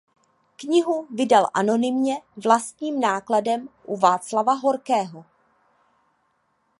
Knihu vydal anonymně vlastním nákladem u Václava Horkého.